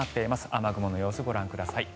雨雲の様子、ご覧ください。